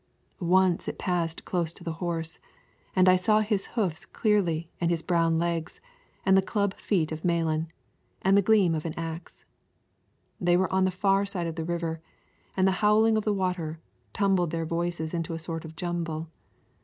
Once it passed close to the horse, and I saw his hoofs clearly and his brown legs, and the club feet of Malan, and the gleam of an axe. They were on the far side of the river, and the howling of the water tumbled their voices into a sort of jumble.